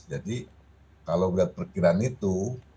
jadi kalau melihat perkiraan itu